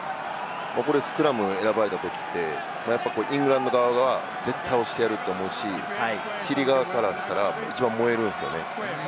スクラム選ばれたときって、イングランド側が絶対押してやると思うし、チリ側からしたら一番燃えるんですよね。